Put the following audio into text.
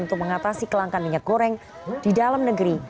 untuk mengatasi kelangkan minyak goreng di dalam negeri